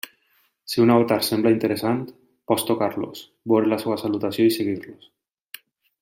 Si un avatar sembla interessant, pots tocar-los, veure la seva salutació i seguir-los.